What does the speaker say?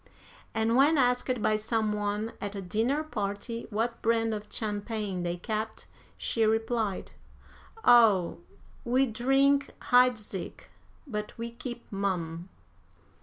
"And when asked by some one at a dinner party what brand of champagne they kept, she replied: 'Oh, we drink Heidsieck, but we keep Mum.'